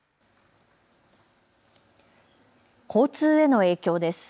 交通への影響です。